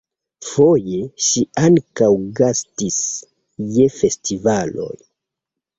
Foje ŝi ankaŭ gastis je festivaloj.